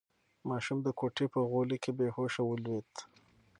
ماشوم د کوټې په غولي کې بې هوښه ولوېد.